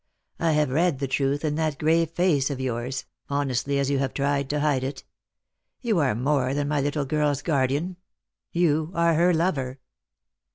I have read the truth in that grave face of yours, honestly as you have tried to hide it. You are more than my little girl's guardian. You are her lover."